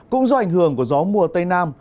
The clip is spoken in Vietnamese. cũng do ảnh hưởng của gió mùa tây nam